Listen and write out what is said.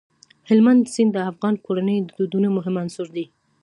هلمند سیند د افغان کورنیو د دودونو مهم عنصر دی.